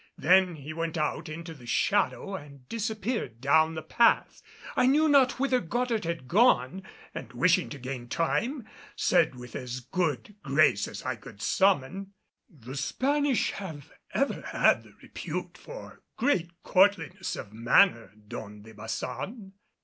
Then he went out into the shadow and disappeared down the path. I knew not whither Goddard had gone, and wishing to gain time, said with as good grace as I could summon, "The Spanish have ever had the repute for great courtliness of manner, Don de Baçan."